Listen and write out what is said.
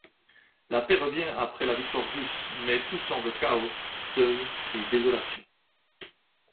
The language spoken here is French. La paix revient après la victoire russe mais tout semble chaos, deuil et désolation.